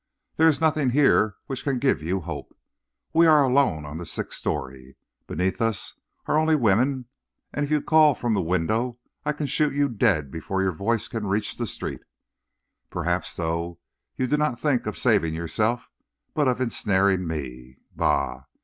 There is nothing here which can give you hope. We are alone on the sixth story. Beneath us are only women, and if you call from the window, I can shoot you dead before your voice can reach the street. Perhaps, though, you do not think of saving yourself, but of ensnaring me. Bah!